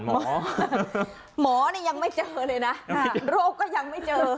หมอหมอนี่ยังไม่เจอเลยนะโรคก็ยังไม่เจอ